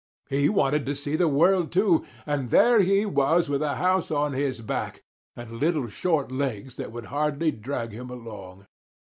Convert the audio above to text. He wanted to see the world too, and there he was with a house on his back and little short legs that could hardly drag him along.